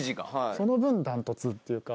その分断トツっていうか。